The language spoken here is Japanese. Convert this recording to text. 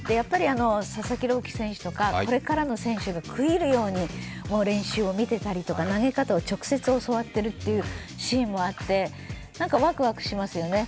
佐々木朗希選手とか、これからの選手が食い入るように練習を見ていたりとか投げ方を直接教わっているシーンもあって、ワクワクしますよね。